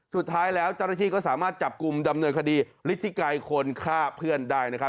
สุดท้ายแล้วเจ้าหน้าที่ก็สามารถจับกลุ่มดำเนินคดีฤทธิไกรคนฆ่าเพื่อนได้นะครับ